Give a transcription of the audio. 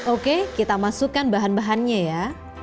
oke kita masukkan bahan bahannya ya